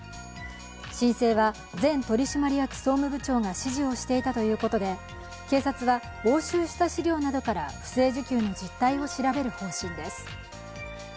申請は前取締役総務部長が指示をしていたということで警察は押収した資料などから不正受給の実態を調べる方針です。